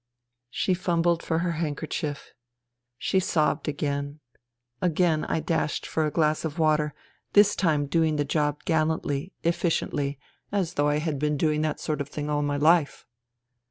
..." She fumbled for her handkerchief. She sobbed again. Again I dashed for a glass of water, this time doing the job gallantly, efficiently, as though I had been doing that sort of thing all my life.